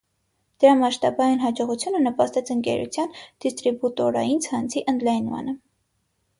Դրա մասշտաբային հաջողությունը նպաստեց ընկերության դիստրիբուտորային ցանցի ընդլայմանը։